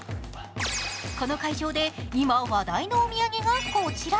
この会場で今、話題のお土産がこちら。